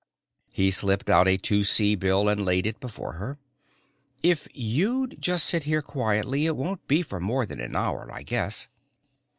He slipped out a 2 C bill and laid it before her. "If you'd just sit here quietly it won't be for more than an hour I guess."